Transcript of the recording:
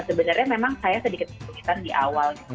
sebenarnya memang saya sedikit kesulitan di awal gitu